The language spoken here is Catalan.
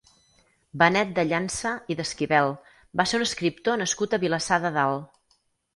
Benet de Llança i d'Esquivel va ser un escriptor nascut a Vilassar de Dalt.